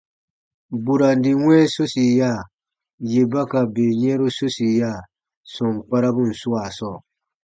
Burandi wɛ̃ɛ sosiya, yè ba ka bè yɛ̃ru sosiya sɔm kparabun swaa sɔɔ.